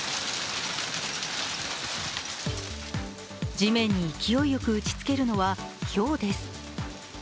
地面に勢いよく打ちつけるのはひょうです。